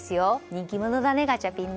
人気者だね、ガチャピン。